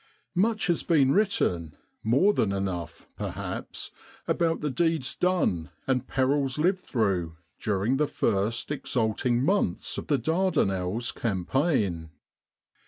Much has been written more than enough, perhaps about the deeds done and perils lived through during the first exalting months of the Dardanelles Campaign.